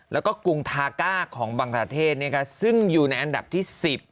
แล้วก็กรุงทาก้าของบางประเทศซึ่งอยู่ในอันดับที่๑๐